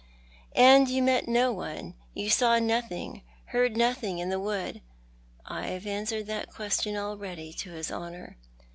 " And you met no one — you saw nothing, heard nothing in the wood ?"" I have answered that question already to his Honour."